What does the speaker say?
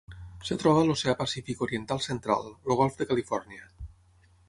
Es troba a l'Oceà Pacífic oriental central: el Golf de Califòrnia.